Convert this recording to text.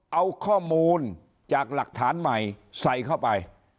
เอาข้อมูลจากหลักฐานใหม่ใส่เข้าไป